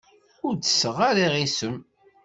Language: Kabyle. Ur ttesseɣ ara iɣisem.